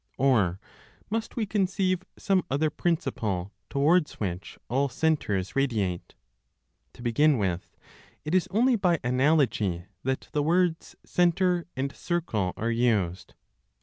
Or must we conceive some other principle towards which all centres radiate? To begin with, it is only by analogy that the words "centre" and "circle" are used.